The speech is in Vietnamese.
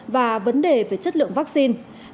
và vấn đề về chất lượng vaccine